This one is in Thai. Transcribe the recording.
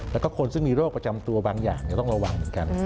แล้วก็คนซึ่งมีโรคประจำตัวบางอย่างต้องระวังเหมือนกัน